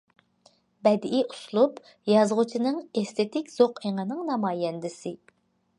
بەدىئىي ئۇسلۇب يازغۇچىنىڭ ئېستېتىك زوق ئېڭىنىڭ نامايەندىسى.